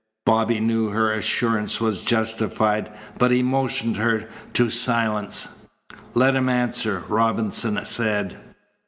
Bobby knew her assurance was justified, but he motioned her to silence. "Let him answer," Robinson said.